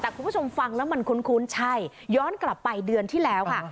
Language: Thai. แต่คุณผู้ชมฟังแล้วมันคุ้นใช่ย้อนกลับไปเดือนที่แล้วค่ะ